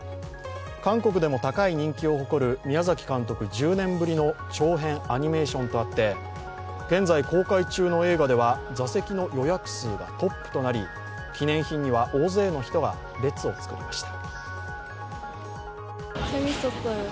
１０年ぶりの長編アニメーションとあって現在公開中の映画では座席の予約数がトップとなり記念品には大勢の人が列を作りました。